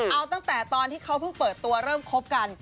เอาตั้งแต่ตอนที่เขาเพิ่งเปิดตัวเริ่มคบกัน